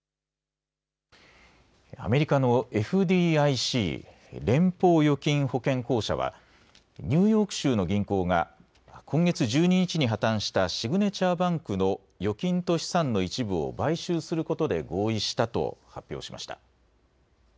アメリカのＦＤＩＣ・連邦預金保険公社はニューヨーク州の銀行が今月１２日に破綻したシグネチャーバンクの預金と資産の一部を買収することで合意したと発表しました。